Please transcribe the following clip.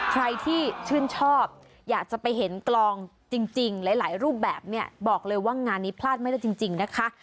ใครที่ชื่นชอบอยากจะไปเห็นกลองจริงหลายรูปแบบเนี่ยบอกเลยว่างานนี้พลาดไม่ได้จริงนะคะ